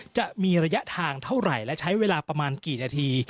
จะมีระยะทางเท่าไหร่และใช้เวลาประมาณกี่นาที